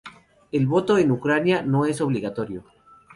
El voto en Ucrania no es obligatorio.